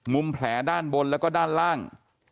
แผลด้านบนแล้วก็ด้านล่าง